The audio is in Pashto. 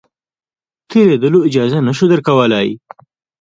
تېرېدلو اجازه نه شو درکولای.